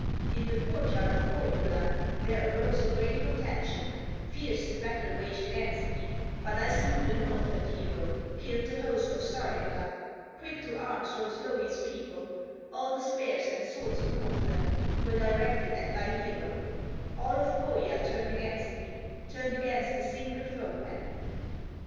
In the court yard of Pohyola, There arose a great contention, Fierce the battle waged against me; But I slew the Northland hero, Killed the host of Sariola; Quick to arms rose Louhi's people, All the spears and swords of Northland Were directed at thy hero; All of Pohya turned against me, Turned against a single foeman."